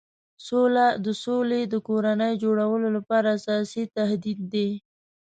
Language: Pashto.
سوله د سولې د کورنۍ جوړولو لپاره اساسي تهدید دی.